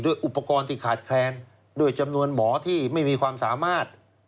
อุปกรณ์ที่ขาดแคลนด้วยจำนวนหมอที่ไม่มีความสามารถ